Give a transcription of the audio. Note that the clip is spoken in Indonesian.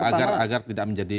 agar agar tidak menjadi